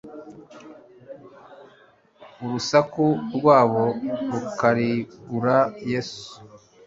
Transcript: Urusaku rwabo rukarigura Yesu.